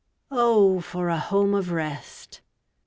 Oh, for a home of rest!